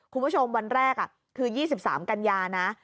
คุณผู้ชมวันแรกคือ๒๓กันยานะ